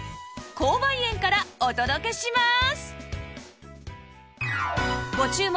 紅梅園からお届けします！